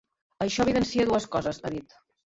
Això evidencia dues coses –ha dit–.